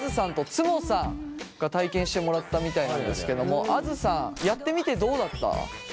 んとつもさんが体験してもらったみたいなんですけどもあづさんやってみてどうだった？